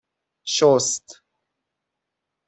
شست